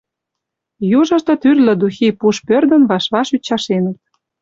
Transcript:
Южышто тӱрлӧ духи пуш пӧрдын ваш-ваш ӱчашеныт.